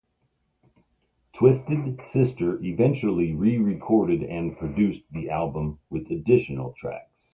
Twisted Sister eventually re-recorded and produced the album with additional tracks.